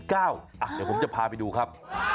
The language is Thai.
เดี๋ยวผมจะพาไปดูครับ